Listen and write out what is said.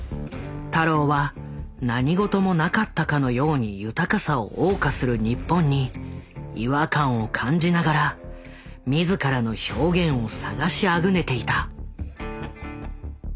太郎は何事もなかったかのように豊かさを謳歌する日本に違和感を感じながら自らの表現を探しあぐねていた。